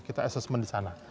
kita assessment di sana